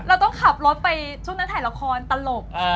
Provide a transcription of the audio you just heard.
เราต้องขับรถไปช่วงนั้นถ่ายละครตลก